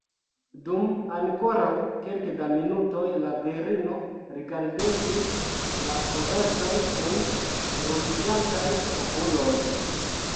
Dum ankoraŭ kelke da minutoj la virino rigardegis la koverton kun ruĝiĝantaj okuloj.